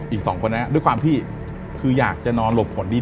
อีกสองคนนั้นด้วยความที่คืออยากจะนอนหลบฝนดี